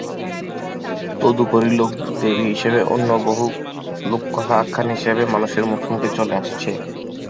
তদুপরি লৌকিক দেবী হিসাবে অন্য বহু লোককথা আখ্যান হিসাবে মানুষের মুখে মুখে চলে আসছে।